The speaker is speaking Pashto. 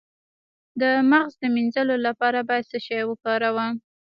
د مغز د مینځلو لپاره باید څه شی وکاروم؟